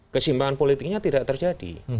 kesimpangan politiknya tidak terjadi